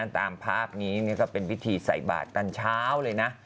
ตามภาพนี้ก็เป็นพิธีใส่บาทตอนเช้าเลยนะ